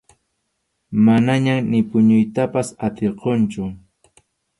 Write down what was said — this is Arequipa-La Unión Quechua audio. Manañam ni puñuytapas atirqanichu.